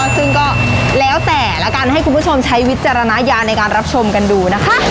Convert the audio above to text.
ซึ่งก็แล้วแต่ละกันให้คุณผู้ชมใช้วิจารณญาณในการรับชมกันดูนะคะ